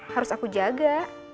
harus aku jaga